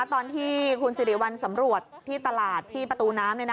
ตอนที่คุณสิริวัลสำรวจที่ตลาดที่ประตูน้ำ